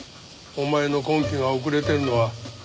お前の婚期が遅れてるのは。